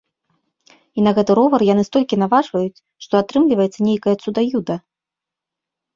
І на гэты ровар яны столькі наважваюць, што атрымліваецца нейкае цуда-юда.